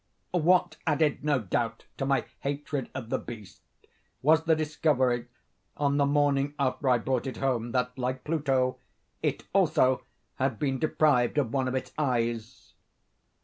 What added, no doubt, to my hatred of the beast, was the discovery, on the morning after I brought it home, that, like Pluto, it also had been deprived of one of its eyes.